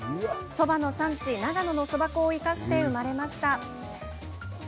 そばの産地、長野のそば粉を生かして、生まれました。